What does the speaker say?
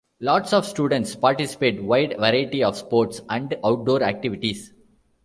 Lots of students participate wide variety of sports and outdoors activities.